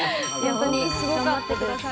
頑張ってください